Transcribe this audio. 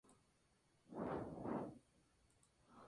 Es el primer faro de la red de Faros de Chile.